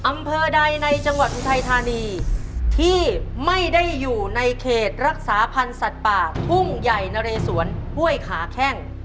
อำเภอใดในจังหวัดอุทัยธานีที่ไม่ได้อยู่ในเขตรักษาพันธ์สัตว์ป่าทุ่งใหญ่นะเรสวนห้วยขาแข้ง